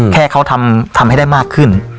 แค่เขาทำให้ได้มากขึ้น